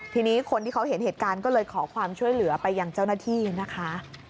ทีนี้คนที่เขาเห็นเหตุการณ์ก็เลยขอความช่วยเหลือไปยังเจ้าหน้าที่นะคะ